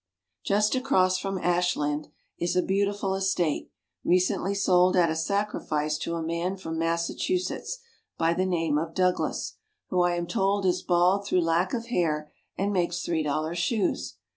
Just across from Ashland is a beautiful estate, recently sold at a sacrifice to a man from Massachusetts, by the name of Douglas, who I am told is bald through lack of hair and makes three dollar shoes.